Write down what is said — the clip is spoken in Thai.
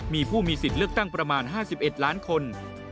มีผู้มีสิทธิ์เลือกตั้งประมาณ๕๑ล้านคน